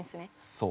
そう。